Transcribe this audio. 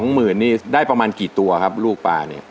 หมื่นนี่ได้ประมาณกี่ตัวครับลูกปลาเนี่ย